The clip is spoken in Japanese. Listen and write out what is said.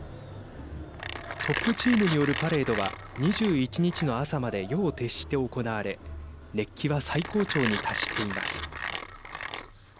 トップチームによるパレードは２１日の朝まで夜を徹して行われ熱気は最高潮に達しています。